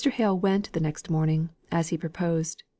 Hale went the next morning, as he proposed.